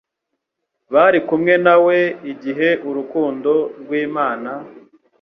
bari kumwe na we igihe urukundo rw'Imana